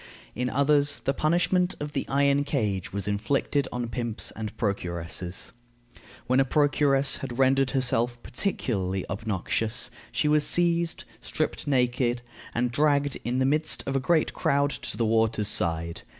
In others, the punishment of the iron cage was inflicted on pimps and procuresses. When a procuress had rendered herself particularly obnoxious, she was seized, stripped naked, and dragged in the midst of a great crowd to the water's side.